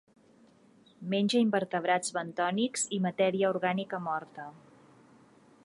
Menja invertebrats bentònics i matèria orgànica morta.